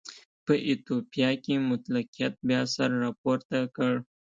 په ایتوپیا کې مطلقیت بیا سر راپورته کړ.